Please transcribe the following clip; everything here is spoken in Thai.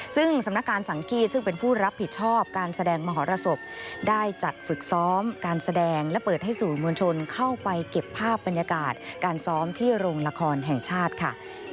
ซึ่งสำนักการสังกี้ซึ่งเป็นผู้รับผิดชอบการแสดงมหรสบได้จัดฝึกซ้อมการแสดงและเปิดให้สื่อมวลชนเข้าไปเก็บภาพบรรยากาศการซ้อมที่โรงละครแห่งชาติค่ะ